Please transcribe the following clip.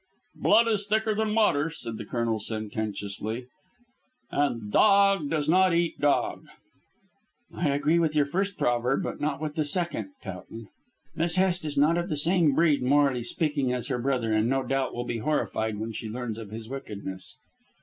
"Blood is thicker than water," said the Colonel sententiously, "and dog does not eat dog." "I agree with your first proverb, but not with the second, Towton. Miss Hest is not of the same breed, morally speaking, as her brother, and no doubt will be horrified when she learns of his wickedness."